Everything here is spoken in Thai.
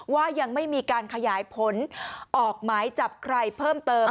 ว่ายังไม่มีการขยายผลออกหมายจับใครเพิ่มเติม